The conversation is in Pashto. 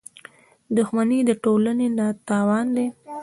• دښمني د ټولنې تاوان دی.